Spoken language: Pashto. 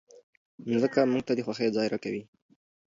مځکه موږ ته د خوښۍ ځای راکوي.